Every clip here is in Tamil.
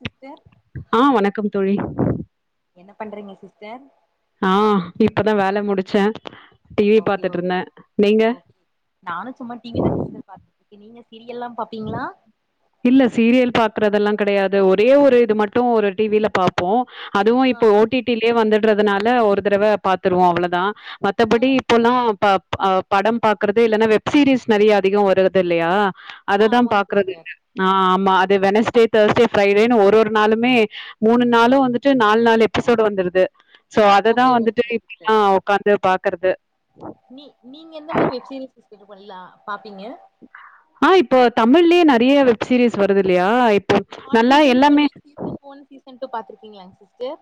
சிஸ்டர் ஆஹ் வணக்கம் தோழி என்ன பண்றீங்க சிஸ்டர் ஆஹ் இப்பதா வேலை முடிச்சே டிவி ஓகே- ஓகே பாத்துட்ருந்தே நீங்க -ஓகே நானு சும்மா டிவி தாங்க சிஸ்டர் பாத்துட் நீங்க சீரியலா பாப்பீங்களா இல்ல சீரியல் பாக்குறதெல்லாம் கிடையாது ஒரே ஒரு இது மட்டும் ஒரு டிவில பாப்போம் அதுவும் ஆ இப்போ ஓடிடிலயே வந்து ட்ருதுனால ஒரு தடவ பாத்துருவோம் அவ்ளோதா ஆ மத்தபடி இப்போலா ப ஆ படம் பாக்குறது இல்லன்னா வெப்சீரிஸ் நெறைய அதிகம் வரது இல்லையா ஆ அதுதான் ஆமாங்க பாக்குறது சிஸ்டர் ஆஹ் ஆமா அது வெனஸ்டே தேர்ஸ்டே ஃப்ரைடேன்னு ஒரு ஒரு நாளுமே மூணு நாளு வந்துட்டு நாலு- நாலு எபிசோடு வந்துடுது சோ அததா ஓகே வந்துட்டு ஓகேங்க சிஸ்டர் இப்பிடில்லா உக்காந்து பாத் கறது நீ நீங்க எந்த மாரி வெப்சீஸ் [unintelligible] பாப் ஆஹ் இப்போ தமிழ்லயே நெறைய வெப் சீரிஸ் வருது இல்லையா இப் ஹார்ட் பீட்டுன்னு சொல்லி சீசன் ஒன் சீசன் டூ பாத்திருக் இருக்கீங்ளா சிஸ்டர்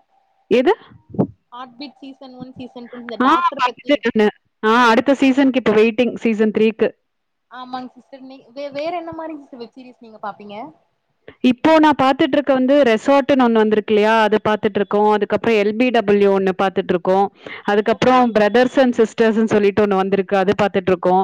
எது heart beat season one season two இந்த ஆஹ் டாக்டர் பத்தி [unintelligible] ஆஹ் அடுத்த சீசனுக்கு இப்ப வெயிட் சீசன் த்ரீ க்கு ஆமாங்க சிஸ்டர் நீ வே வேற என்ன மாரி வெப்சீரீஸ் நீங்க பாப்பீங்க இப்போ நான் பாத்துட்டுருக்க வந்து ரெசார்ட்டுன்னு ஒன்னுவந்திருக்கு இல்லையா அதை பாரத்துட்டு இருக்கோம் அதுக்கப்புறம் எல் பி டபிள்யூ ஒண்ணு பாத்துட்டு இருக்கோம் ஓகே அதுக்கப்றோ ஓகே பிரதர்ஸ் அண்ட் சிஸ்டர்ஸ்னு சொல்லிட்டு ஒண்ணு வந்திருக் க்கு அது பாத்துட்ருக்கோ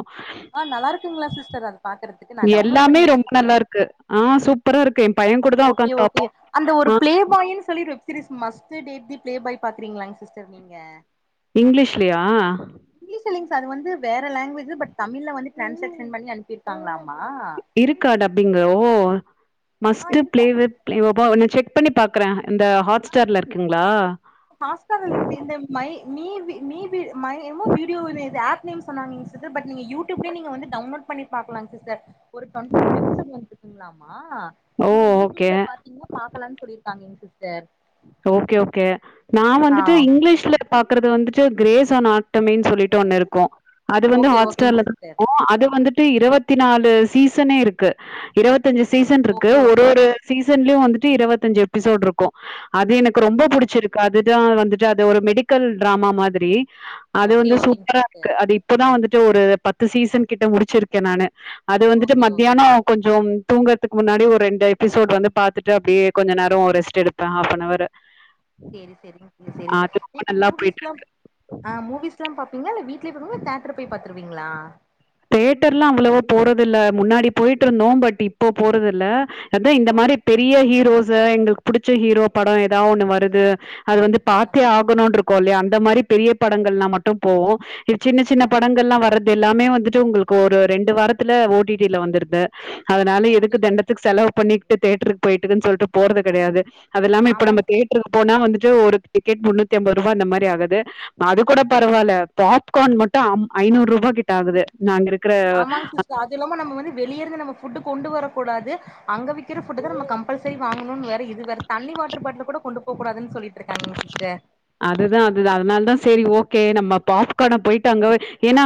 ஆஹ் நல்லா இருக்குங்களா சிஸ்டர் அது பாக்குறதுக்கு நான் டவுன்லோட் எல்லாமே பண்ணி ரொம்ப வச்சிருக்கேன் நல்லா இருக்கு. ஆ சூப்பரா இருக்கு. என் பையன் கூட தான் ஓகே உட்காந்து -ஓகே பாப்போம். அந்த ஒரு ஆ பிளே பாய்ன்னு சொல்லிஒரு series must date the Playboy பாக்கறீங்களாங் சிஸ்டர் நீங்க இங்கிலிஷ்லியா ல்லிங் சார் அது வந்து வேற லாங்குவேஜ் பட் தமிழ்ல வந்து டிரான்ஸ்லேஷன் பண்ணி அனுப்பிருக்காங்களாமா இருக்கா டப்பிங்கு ஓ ஆ மஸ்ட் ப்ளே இருக்க வித் பிளேயோபா ஒல்லி செக் செக் பண்ணி பாக்குறான் இந்த ஹாட் ஸ்டார்லயிருக்குங்களா ஹாஸ்டார் இல்லைங்க சிஸ்டர் இந்த [unintelligible] வீடியோ நேது ஆப் நேம் சொன்னாங்க சிஸ்டர் நீங்க யூடியூப்ல நீங்க வந்து டவுன்லோட் பண்ணி பாக்கலா சிஸ்டர் ஒரு டொண்டி ஃபோர் எபிசோட் வந்துயிருக்குங்களாமா ஆ ஓ! நீங்க ஓகே. யூடியூப்ல பாத்தீங்கன்னா பாக்கலன்னு சொல்லிருக்காங்க சிஸ்டர் ஓகே ஓகே நா ஆ வந்துட்டு இங்கிலீஷ்ல பாக்குறது வந்துட்டு சிஸ்டர் கிரேஸ்ஸோனா டொமென் சொல்லிட்டு ஒன்னுயிருக்கோ அது வந்து ஓகே ஓகேங்க ஹாட்ஸ்டார்ல இருக்கோ சிஸ்டர் அது வந்துட்டு இருவத்தி [inaudible] நாலு சீசனேயிருக்கு இருவத் அஞ்சு சீசன்யிருக்கு ஓகே ஒரு ஓகேங்க ஒரு சீசன் சீசன்லயோ வந்துட்டு இருவத்தஞ்சு எபிசோட்யிருக்கோ அது எனக்கு ரொம்ப ஓகே ஓகே புடிச்சியிருக்கு அது [inaudible] வந்துட்டு அது ஒரு மெடிக்கல் டிராமா மாதிரி அது ஓகே வந்து ஓகேங்க சிஸ்டர் சூப்பராயிருக்கு அது இப்பதா வந்துட்டு ஒரு பத்து சீசன் கிட்ட முடிச்சியிருக்கேன் நானு அது வந்துட்டு ஓகே மத்தியானோ ஓகே கொஞ்சோ தூங்கறத்துக்கு முன்னாடி ஒரு ரெண்டு எபிசோட் வந்து பாத்துட்டு அப்டியே கொஞ்சோ நேரோ ரெஸ்ட் எடுப்பே ஆஃப்பன் [inaudible] சேரி செரிங்க சேரி ஆ அது செரிங்க ரொம்ப நீங்க நல்லா போயிட்டு மூவிஸ்லா இருக்கு. ஆஹ் மூவிஸ்லா பாப் பீங்களாயில்ல வீட்டுலயே பண்ணுவீங்களாயில்ல தேட்டர் போய் பாத்துருவீங்களா தேட்டர்லா அவ்ளவோ போறதுயில்ல முன்னாடி போயிட்டுருந்தோம் பட் இப்போ போறதுயில்ல அதா இந்த மாரி ஓகே பெரிய ஹீரோஸ் ச எங்களுக்கு புடிச்ச ஹீரோ படோம் எ தா ஒண்ணு வருது அது வந்து ஆ பாத்தே ஆகணோம்னு இருக் கோலயா அந்த மாரி பெரிய படங்கள்லா மட்டோம் போவோம் இ சின்ன சின்ன ஓகே படங்கள்லா வர்றது எல்லாமே வந்துட்டு உங்களுக்கு ஒரு ரெண்டு வாரத்துல ஓட்டிட்டில வந்துருது அதனால ஓகே எதுக்கு ஓகே தண்டத்துக்கு செலவு பண்ணி தேட்டருக்கு போயிட்டுக்குன்னு சொல்லிட்டு போறது கெடையாது அதுல்லாம இப்ப ஆமாங் நம்ம தேட்டருக்கு போனா வந்துட்டு ஒரு டிக்கெட் முன்னூத்தி ஐம்பது ரூபா அந்த மாதிரி ஆகுது அது கூட பரவாயில்ல பாப்கார்ன் மட்டும் ஐநூறு ரூபா கிட்ட ஆகுது நாங்க ஆமாங்க சிஸ்டர் அது இல்லாம நம்ம வந்து வெளியருந்து நம்ம ஃபுட் கொண்டு வரக்கூடாது அங்க விறக்கிற ஃபுட்தா நம்ம கம்பல் சரி வாங்கும்னு வேற இது வேற தண்ணி வாட்டர் பாட்டில் கூட கொண்டு போகூடாதுனு சொல்லிட்டு இருக்காங்கங்க சிஸ்டர் அதுதான் அதுதான் அதனால தான் செரி ஓக நம்ம பாப்க போயிட்டு அங்க ஏன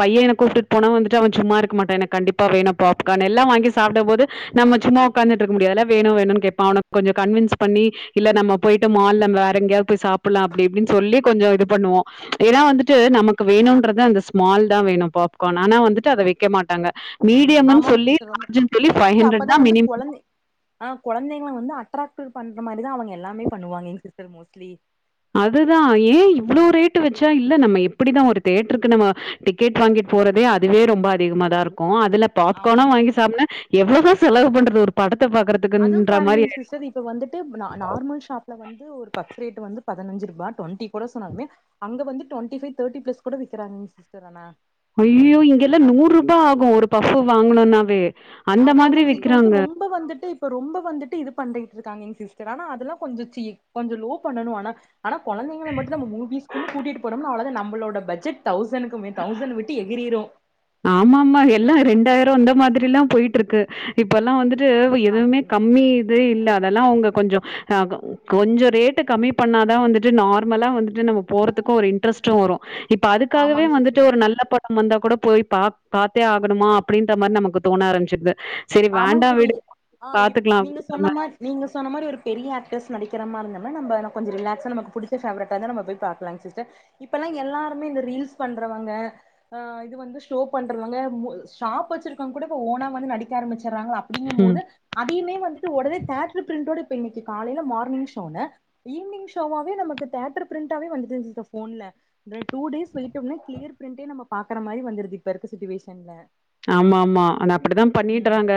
பையன் எனக்கு கூப்பிட்டு போனா வந்துட்டு அவன் சும்மா இருக்க மாட்டான் எனக்கு கண்டிப்பா வேணும் பாப்கார்ன் எல்லாம் வாங்கி சாப்பிட போது நம்ம சும்மா உட்காந்து இருக்க முடியாதுல வேணும் வேணும் கேட்பான் -அவன-கொஞ்சம் கன்வின்ஸ் பண்ணி இல்ல நம்ம போயிட்டு மால்ல வேற எங்கேயாவது போய் சாப்படலாம் அப்படி அப்டின்னு சொல்லி கொஞ்சம் இது பண்ணுவோம் ஏன்னா வந்துட்டு நமக்கு வேணும்ன்றத அந்த ஸ்மால் தான் வேணும் பாப்கார்ன் ஆனா வந்துட்டு அதை வைக்க மாட்டாங்க மீடியம்ன்னு ஆமாங்க சொல்லி சிஸடர் ரொம்ப லார்ஜ்ன்னு சொல்லி இல்லங்க ஃபைவ் சிஸடர் ஹண்ட்ரட் தா அப்தான் வந்து மினிமம் கெழந்தை ஆ கெழந்தைங்கள வந்து அ்ட்ர பண்ற மாரிதான் அவங்க எல்லாமே வாங்கி சிஸ்டர் மோஸ்ட்லி அதுதான் ஏன் இவ்வளவு ரேட்டு வச்சா இல்ல நம்ம எப்படிதான் ஒரு தேட்டருக்கு நம்ம டிக்கெட் வாங்கிட்டு போறதே அதுவே ரொம்ப அதிகம தான் இருக்கும் இல்ல பாப்கார்ன ஆமாங்க சிஸ்டர் வாங்கி சாப்ப எவ்வளோத செலவு பண்றது ஒரு பாடத் அதுவும் பாருங்க சிஸ்டர் இப்ப வந்துட்டு நார்மல் ஷாப்ல வந்து ஒரு பப் பஸ் ரேட்டு வந்து பதினஞ்சு ரூபா டுவெண்டி கூட சொன்னாலுமே அங்க வந்துட்டு டு [inaudible] தே்டி பளஸ் கூட விக்காராக சிஸ்டர் ஐயோ இங்கெல்லாம் நூறு ரூபாய் ஆகும் ஒரு பப்பு வாங்கணும்னாவே அந்த அத மாதிரி அதாங்க சி இப்ப விக்கிறாங்க. வந்து ரொம்ப வந்துட்டு இப்ப ரொம்ப வந்துட்டு இது பண்ணிட்டுயிருக்காங்க சிஸ்டர் ஆனா அதெல்லாம கொஞ்ஞோ சீ கொஞ்ஞோ லோ பண்ணணு ஆனா -ஆனா குழந்தைளை மட்டும் நம்ம மூவிஸ் க்குனு கூட்டிட்டு போனோம்ன அவ்வளவு நமளோடஜெட்சுக்குமே தௌசண்ட் விட்டு எகிரிரும் ஆமா ஆமா எல்லாம் ரெண்டாயிரம் இந்த மாதிரி எல்லாம் போயிட்டு இருக்கு இப்ப எல்லாம் வந்துட்டு ஆ எதுவுமே கம்மி ஏய் இல்ல அதெல்லாம் அவங்க கொஞ்சம் அஹ் கொஞ்சம் ரேட்ட கம்மி பண்ணாதான் வந்துட்டு நார்மலா வந்துட்டு நம்ம போறதுக்கும் ஒரு இன்ட்ரெஸ்ட்டும் வரும் இப்ப அதுக்காகவே ஆமாங்க சிஸ்டர் வந்துட்டு ஒரு நல்ல படமா வந்த கூட போய் பா பாத்தே ஆகணுமா அப்படின்ற மாதிரி நமக்கு தோண ஆரம்பிச்சிடுது சரி ஆமாங வேண்டாம் சுதி விடு. ஆஹ் இப் பாத்துக்கலாம் நீங்க அப்படின்ற சொன்ன மாரி. மாி நீங்க சொன்ன மாதிரி ஒரு பெரிய ஆக் டர்ஸ் நடிக்கிறாமாரி இருந்தா கூட [inaudible] ராங்க அப்டிங்கு ம். போது அதயுமே வந்துட்டு உடனே தேட்ர் பிரிண்டோட இப்ப இன்னைக்கு காலையல மார்னிங் ஷ ஈவினிங்ஷோவாவ நமக்கு தேட்டர் பிரண்டே வந்தன்ல டூ கிளியர் பிரண்டே நம்ம பாக்குற மாரி வந்தது இப்ப இருக்குவேஷன்ல ஆமா -ஆமா ஆன அப்படி தான் பண்ணிட்டுறாங்க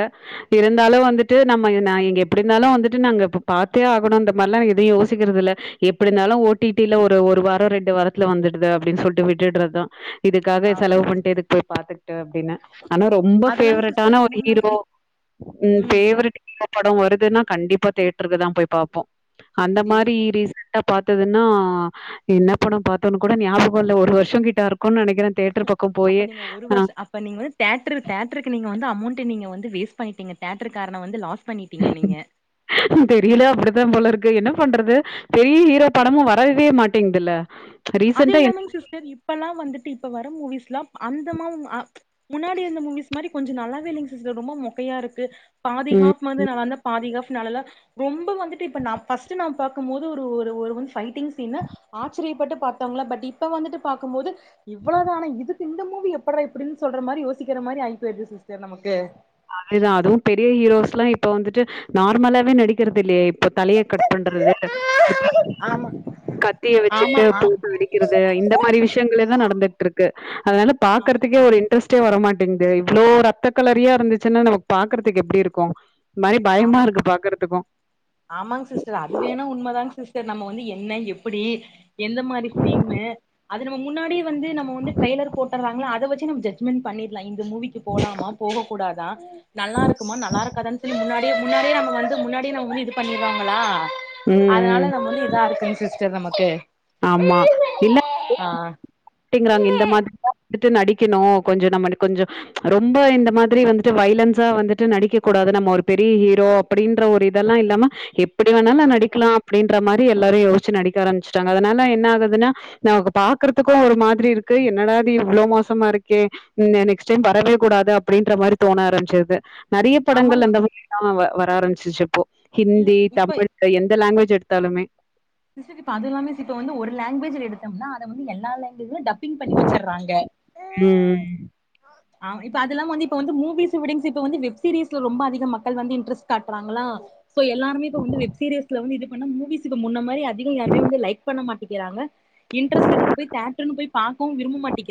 இருந்தாலும் வந்துட்டு ட்டு நம்ம எங்க எப்படி நாளும் வந்துட்டு நாங்க பாாரத்தே ஆகணும் இந்த மாதிரிலாம் எதுவும் யோசிக்கறிறது இல்ல எப்படி இருந்தாலும் ஓட்டில ஒரு வாரம் ரெண்டு வாரத்துல வந்துடுது அப்படின்னு சொல்லிட்டு விட்டுடுறதுதான் இதுகாக செலவு ஆமாங்க சிஸ்டர் பண்ணிட்டுதுக்கு போய் பாத்த ட அப்டின்னே ஆனா ரொம்ப அதெல்லாங் சிஸ்டர் பேவரெட்டான ஒரு முன்னம் ஹீரோ இப் உம் ம் பேவரெட் ஹீரோ படம் வருதுனா கண்டிப்பா தேட்ருக்கு தான் போய் பாப்போம் அந்த சேரி மாரி ரீசன் பாத்ததுன்னா என்ன படம் பாத்தோன்னு கூட ஞாபகம் இல்ல ஒரு வருஷம் கிட்ட இருக்குனு நினைக்கிறன் தேட்டர் பக்கம் பக்க போயே ஆனா தேட்ரு தேட்ருக்கு நீங்க வந்து அமௌண்ட் நீங்க வந்து வேஸ்ட் பண்ணிட்டீங்க தேட்ரு காரன வந்து லாஸ் பண்ணிட்டீங்க நீங்க தெரில அப்டித்தான் போல இருக்கு என்ன பண்றது பெரிய ஹீரோ படமும் வரவே மாட்டேங்குதுல அது எல்லாமே சிஸ்டர் இப்பலாம் வந்துட்டு இப்ப வந்து வர மூவிஸ்ல அந்த மா வூ ஹ முன்னாடி இருந்த மூவிஸ் மாரி கொஞ்சம் நல்லாவே இல்லங் சிஸ்டர் ரொம்ப மொக்கையா இருக்கு பாதி ம். ஹாஃப் வந்து நான வந்த பாதி ஹாஃப் நல்லால ரொம்ப வந்துட்டு இப்ப நா ஃபஸ்ட் நாம பாக்கும்போதுஒரு ஒரு ஃபைட்டிங் சீனு ஆச்சரியப்பட்டு பாத் இருங்களா பட் இப்ப வந்துட்டு பாக்கும்போது இவ்வளவுதானா இது இந்த மூவி எப்றா இப்டின்னு சொல்ற மாரி யோசிக்கிற மாரி ஆயி போயிடுது சி்ஸ்டர் நமக்கு அதேதான் அதுவும் பெரிய ஹீரோஸ்லாம் இப்ப வந்துட்டு நார்மலாவே நடிக்கிறது இல்லய இப்ப தலைய கட் பண்றது ஆமா கத்திய ஆமா வச்சுட்டு ஆ பூட்டு அடிக்கிறது இந்த மாரி விஷயங்களே தான் நடந்துட்டுருக்கு அதனால ஆமா பாக்குறதுக்கே ஒரு சிஸ்டர் இன்ட்ரஸ்ட்டே வரமாட்டே [inaudible] இவ்வளோ ரத்த கலரியா இருந்துச்சு இதுன்னா நாம பாக்குறதுக்கு எப்டி இருக்கும் மாரி பயமா ஆமாங் இருக்கு பார்க்கறதுக்கும். ஆமாங் சிஸ்டர் அது வேணா உண்மைதாங் சிஸ்டர் நம்ம வந்து என்ன எப்புடி எந்த மாரி ஃபீலிம் அது முன்னாடி வந்து நம வந்து டரைலர் போட்றாங்கல அத வச்சு ஜஜ்மெண்ட் பண்ணிருலாம் இந்த மூவிக்கு போலாமா போக கூடாதா நல்லா இருக்குமா நல்லா இருக்காதா [inaudible] முன்னாடியே முன்னாடியே நம்ம வந்து முன்னாடியே நம்ம வந்து இது பண்ணிருவாங்களா ம், அதனால ம். நம்ம வந்து இதா இருக்குன்னு சிஸ் சிஸ்டர் நமக்கு ஆமா இல்ல ஆ கட்டுங்கிறாங்க இந்த மாதிரிதான் வந்துட்டு நடிக்கணும் கொஞ்சம் நம்ம கொஞ்சம் ரொம்ப இந்த மாதிரி வந்துட்டு வைலன்ஸா வந்துட்டு நடிக்கக்க கூடாது நம்ம ஒரு பெரிய ஹீரோ அப்டின்ற ஒரு இது இதெல்லாம் இல்லாம எப்டி ஆ வேணாலும் நடிக்கலாம் அப்டின்ற மாரி எல்லாரும் யோசிச்சு நடிக்க ஆரம்பச்சுடாங்க அதனால என்ன ஆகுதுன்னா நமக்கு பாக்றதுக்கும் ஒரு மாதிரி இருக்கு என்னடா இது இவ்வளவு மோசமா இருக்கே நெக்ஸ்ட் டைம் வரவே கூடாது அப்டின்ற மாரி தோண ஆரம்பச்சுருது நறைய ஆமாங் படங்கள் அந்த [unintelligible] வர ஆரம்பிச்சிச்சுப்போ இல்ல ஹிந்தி இப்ப தமிழ் எந்த லாங்குவேஜ் எது எடுத்தாலுமே சிஸ்டர் அதுல்லை மிஸ் இப்ப வந்து ஒரு லாங்குவேஜ் எடுத்தோம்னா அத வந்து எல்லா லாங்கு வேஜ் [unintelligible] டப்பிங் பண்ணி வச்சறாங்க ம் ஆ இப்ப அதெல்லாம் வந்து இப்ப வந்து மூவிஸ் விடுங்க சிஸ் இப்ப வந்து வெப்சீஸ்ல ரொம்ப அதிக மக்கள் வந்து இன்டரஸ்ட் காட்டுறாங்களா சோ எல்லாருமே இப்ப வந்து வெப்சீரியல்ஸ் வந்து இ [unintelligible] மூவிஸ்கு முன்ன மாரி அதிக யருமே லைக் பண்ண மாட்டிங்குறாங்க இன்ரஸ்டு எடுத்து போய் தேயட்டார் போய் பாக்கவும் விரும்ப மாட்டே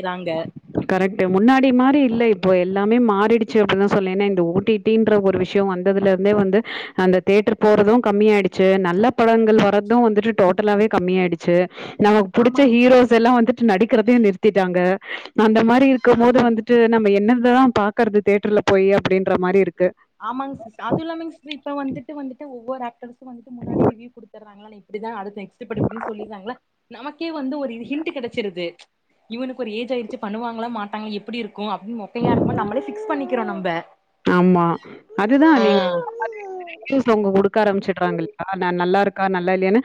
கரெக்டு முன்னாடி முந்தி மாரி இல்ல இப்போ எல்லாமே மாறிடுச்சு இப்பலா தான் சொல்லே ஏன்னா இந்த ஒ டி டிங்கிர ஒரு விஷயம் வந்ததுல இருந்தே வந்து அந்த தேட்டர் போறதும் கம்மியாயிடுச்சு நல்ல படங்கள் வர்றதும் வந்துட்டு டோட்டலாவே கம்மியயிடுச்சு நமக்கு புடிச்ச ஆமாங்க சிஸ்டர் ஹீரோஸ் எல்லாம் வந்துட்டு நடிக்கிறதையே நிறுத்திட்டாங்க அந்த மாரி இருக்கும் ஆமா மோது வந்துட்டு நம்ம என்ன தான் பாக்குறது தேட்டர்ல போய் அப்படின்ற மாரி இருக்கு ஆமாங் சிஸ் அதுயிலாமிங் சிஸ் இப்ப வந்துட்டு வந்துட்டு ஒவ்வொரு ஆக்டர்ஸ்சும் வந்துட்டு முன்னாடி ரிவ்யூ குடுத்துறாங்கலா இப்டி தான் அடுது நெக்ஸ்டு படிப்பனு சொல்லிரங்களா நமக்கே வந்து ஒரு இது ஹிண்ட் கிடைச்சிருது இவனுக்கு ஒரு ஏஜ் ஆயிடுச்சு பண்ணுவாங்களா மாட்டாங்களா எப்படி இருக்கும் அப்படின்னு மொட்டையா இருக்குமா நம்மளே பிக்ஸ் பண்ணிக்கிறோம் நம்ம ஆமா அதுதான் நீங்க [unintelligible] க்க ஆரம்பிச்சுடுறாங்க இல்லையா நான் நல்லா இருக்கா நல்லா இல்லையன்னு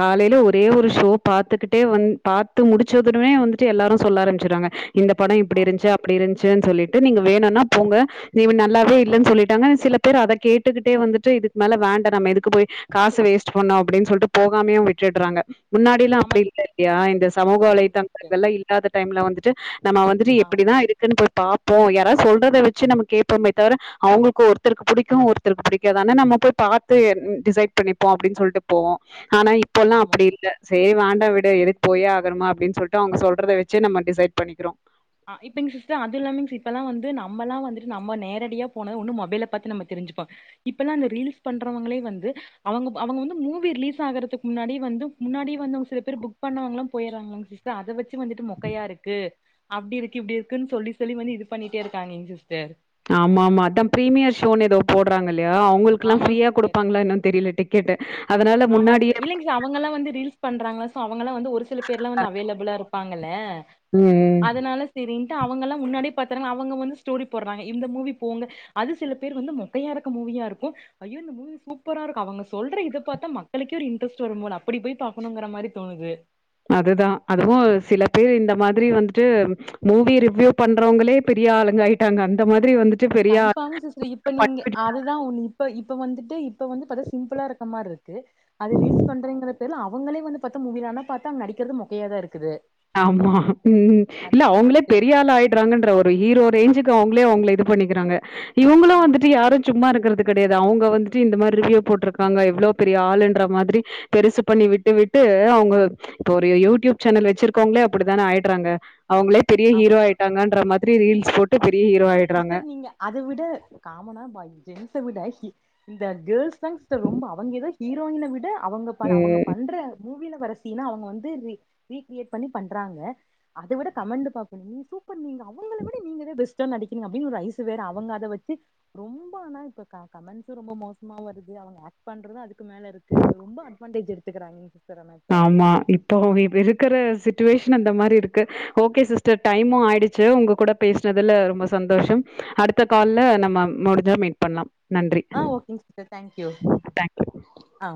காலில ஒரே ஒரு ஷோ பாத்துக்கிட்டே வந்து பாத்து முடிச்சதுமே வந்துட்டு எல்லாரும் சொல்ல அரமிச்றாங்க இந்த படம் இப்டி ஆமா இருச்சு அப்டி இருந்துச்சுனுன் சொல்லி த்த நீங்க வேணனா போங்க நீவு நல்லாவே இலன்னு சொல்லிட்டாங்க சில பேர் அத கேட்டுக்கிட்டே வந்துட்டு இதுக்கு மேல வேண்ட நம்ம இதுக்கு போய் காசு வேஸ்ட் பண்ணோம் அப்டின்னு சொல்லிட்டு போகாமே விட்டுடுறாங்க முன்னாடியெல்லாம் ஆமா அப்படி இல்லை இல்லையா இந்த சமூக ஆமாங்க வலைதங்கள் சிஸ்டர் இதெல்லாம் இல்லாத டைம்ல வந்துட்டு நம்ம வந்துட்டு ஆ எப்படிதான் இருக்குன்னு பாப்போம் யாராவது சொல்றதைவச்சு நம்ம கேட இப்பமே தவிர அவங்களுக்கு ஒருத்தருக்கு பிடிக்கும் ஒருத்தருக்கு பிடிக்காது ஆனா நம்ம போய் பாத்து டிசைட் பண்ணிப்போம் அப்படின்னு சொல்லிட்டு போவோம் ஆனா இப்போலாம் ஆமாங்க அப்டி இல்ல ஏ வேண்டா விடே எதுக்போயே ஆகணமா அப்படின்னு சொல்லிட்டு அவங்க சொல்றதவெச்செ நம்ம டிசைட் பண்ணிக்கிறோம் ஹ இப்பங்சிஸ்அது இல்லாமிங்ஸ் இப்பலாம் வந்து நம்மல்லா வந்துட்டு நம்ம நேரடியா போன ஒன்னு மொபைலை பாத்தி நம்ம தெரிஞ்சுப்போம் இப்பல்லாம் அந்த ரீல்ஸ் பண்றவங்களே வந்து அவங்க அவங்க வந்து மூவி ரிலீஸ் ஆகுறதுக்கு முன்னாடி வந்து முன்னாடி சில பேர் புக் பண்ணவங்க எல்லாம் போயறாங்களங்க சிஸ்டர் அத வச்சு வந்துட்டு முக்கையா இருக்கு அப்டி இருக்கு இப்டி இருக்குன்னு சொல்லி சொல்லி வந்து இது பண்ணிட்டே இருக்காங்க சிஸ்டர் ஆமா ஆமா அதான் பிரிமியர் ஷோன்னு ஏதோ போடுறாங்கள இல்ல அவங்களுக்குல்லாம் ஆமாங்க ஃப்ரியா சிஸ்டர் குடுப்பாங்களான்னும் தெரில டிக்கெட் ஆமாங்க சர் இல்லலைங்க சார் அவங்க எல்லாம் வந்து ரீல்ஸ் பண்றாங்களா சோ அவங்கல்லாம் வந்து ஒரு சில பேர்ல வந்து அவேலபிளா இருக்கு பாங்கலே ம் அதனால சரின்னு அவங்கல்லாம் முன்னாடி பாத்திராங்க அவுங்க வந்து ஸ்டோரி போடுறாங்க இந்த மூவி போங்க அது சில பேர் வந்து மொக்கையா இருக்கு ஐயோ இந்த மூவி சூப்பரா சொல்ற பார்த்த மக்களுக்குக்க ஒரு இன்டரஸ்ட் வரும் போல அப்படி போய் பாக்கனுன்ற மாறி தோணுது அதுதான் அதுவும் சில பேர் இந்த மாதிரி வந்துட்டு மூவி ரிவ்யூ பண்றவங்களே பெரிய ஆளுங்க ஆயிட்டாங்க அந்த மாதிரி வந்துட்டு பெரிய கன்பார்ம் சிஸ்டர் இப்ப நீங்க ஆள் அதுதான் ஒண்ணு இப்ப இப்ப வந்துட்டு இப்ப வந்து பார்த்தா சிம்பிளா இருக்க மாதிரி இருக்கு அது ரீல்ஸ் பண்றங்கற பேர்ல அவங்களே வந்து பார்த்தா மூவிலனா பார்த்தா நடிக்கிறது மொக்கையா தான் இருக்குது ஆமா உம் இல்ல அதுதாங்க அவங்களே சிஸ்டர் பெரிய ஆள் ஆயடுறாங்கன்ற ஒரு ஈரோ ரேஞ்சுக்கு அவங்க அவங்களை அவுங்கள இது பண்ணிக்கிறாங்க இவங்களும் ஆமாங்க வந்துட்டு சிஸ்டர் யாரும் சும்மா இருக்கிறது கிடையாது அவங்க வந்துட்டு இந்த மாதிரி ரிவ்யூ போட்டிருக்காங்க எவ்ளோ பெரிய ஆளு மாதிரி பெரிசு பண்ணி விட்டு விட்டு அவங்க இப்ப ஒரு யூடியூப் சேனல் வச்சிருக்க இருக்கங்களே அப்படித்தானே ஆயிடுறாங்க அவங்களே பெரிய ஆமா ஹீரோ ஆயிட்டாங்கன்ற மாதிரி ரீல்ஸ் போட்டு பெரிய ஹீரோ ஆயிடுறாங்க. சிஸ்டர் நீங்க அதை விட காமனா பை ஜென்ஸ் விட இந்த கேல்ஸ் தாங்கா சிஸ்டர் ரொம்ப அவங்கதான் ஹீரோயின விட அவங்க பா அவங்க ம். பண்ற மூவியில வர சீன அவங்க வந்து ரீ கிரியேட் பண்ணி பண்றாங்க அதை விட கமெண்ட் பாக்க நீங்க அவங்களை விட நீங்கதே பெஸ்ட் [unintelligible] அப்பிடின்னு ஒரு ஐஸ் வேற அவங்க அதை வச்சு ரொம்ப ஆனா இ கமெண்ட் ரொம்ப மோசமா வருது அவங்க ஆக்ட் பண்றத அதுக்கு மேல இருக்கு ரொம்ப அட்வான்டேஜ் இருக்கு எடுத்துக்குறாங்க ஆமா இப்போ இருக்கற சச்சுவேஷன் அந்த மாதிரி இருக்கு ஓகே சிஸ்டர் டைமும் ஆயிடுச்சு உங்க கூட பேசனதுல ரொம்ப சந்தோஷம் அடுத்த கால்ல நம்ம முடிஞ்சா மீட் பண்ணலாம் நன்றி. ஆஹ் ஓகேங்க தேங்க்யூ தேங்க்யூ. ஆ